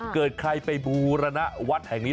เกิดใครไปบูรณวัดแห่งนี้